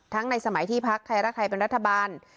ในสมัยที่พักไทยรักไทยเป็นรัฐบาล